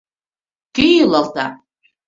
Кӧ йӱлалта?